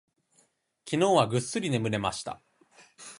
昨日はぐっすり眠れました。